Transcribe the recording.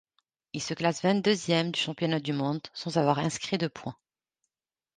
Il se classe vingt-deuxième du championnat du monde, sans avoir inscrit de point.